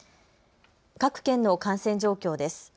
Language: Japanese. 各県の感染状況です。